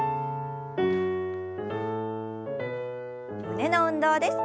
胸の運動です。